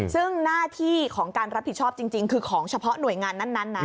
ซึ่งหน้าที่ของการรับผิดชอบจริงคือของเฉพาะหน่วยงานนั้นนะ